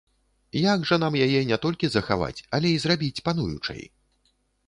Як жа нам яе не толькі захаваць, але і зрабіць пануючай?